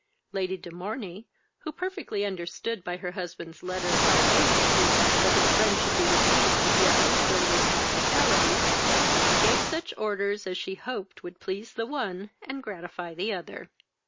Lady de Morney, who perfectly understood by her husband's letter, how anxious he was that his friend should be received with the utmost splendour and hospitality, gave such orders as she hoped would please the one and gratify the other.